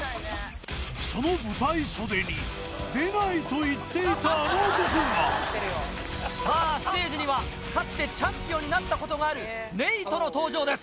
その舞台袖に出ないと言っていたあの男がさぁステージにはかつてチャンピオンになったことがあるネイトの登場です。